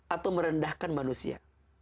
atau merendahkan manusia